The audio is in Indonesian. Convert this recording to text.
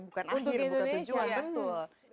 bukan akhir bukan tujuan